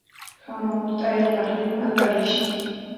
Hamaut'ayqa Limata rishan